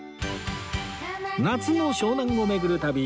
夏の湘南を巡る旅